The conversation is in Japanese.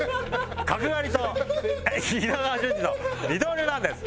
角刈りと稲川淳二の二刀流なんです！